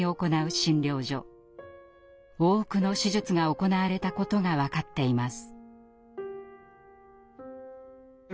多くの手術が行われたことが分かっています。